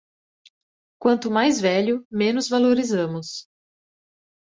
Quanto mais velho, menos valorizamos.